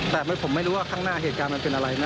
แต่ผมไม่รู้ว่าข้างหน้าเหตุการณ์มันเป็นอะไรนะ